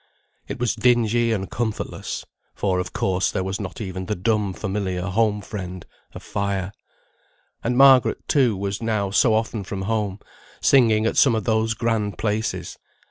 It was dingy and comfortless; for, of course, there was not even the dumb familiar home friend, a fire. And Margaret, too, was now so often from home, singing at some of those grand places.